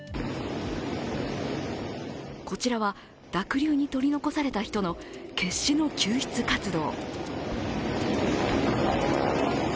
こちらは、濁流に取り残された人の決死の救出活動。